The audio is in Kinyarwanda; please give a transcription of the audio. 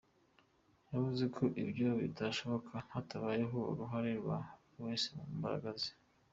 Yavuze ko ibyo bitashoboka hatabayeho uruhare rwa buri wese mu mbaraga ze.